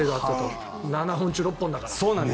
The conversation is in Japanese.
７本中６本だから。